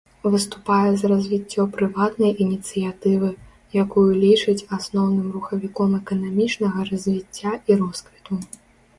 Выступае за развіццё прыватнай ініцыятывы, якую лічыць асноўным рухавіком эканамічнага развіцця і росквіту.